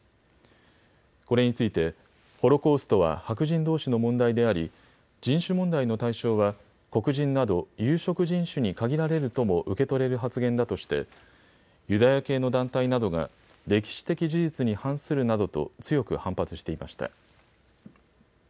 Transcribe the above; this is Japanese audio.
これについて、ホロコーストは白人どうしの問題であり人種問題の対象は黒人など有色人種に限られるとも受け取れる発言だとして、ユダヤ系の団体などが歴史的事実に反するなどと強く反発していました。